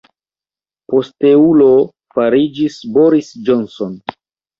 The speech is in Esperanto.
Posteulo fariĝis Boris Johnson.